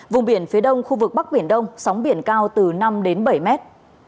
vùng biển phía đông khu vực bắc biển đông sóng biển cao từ năm đến bảy mét